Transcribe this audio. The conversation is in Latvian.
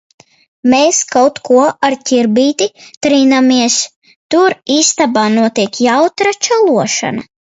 Mēs kaut ko ar Ķirbīti trinamies. Tur istabā notiek jautra čalošana.